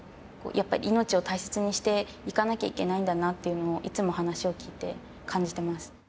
やっぱり命を大切にしていかなきゃいけないんだなっていうのをいつも話を聞いて感じてます。